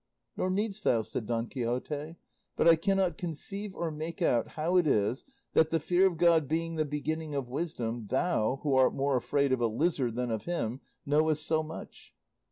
"Nor needst thou," said Don Quixote, "but I cannot conceive or make out how it is that, the fear of God being the beginning of wisdom, thou, who art more afraid of a lizard than of him, knowest so much."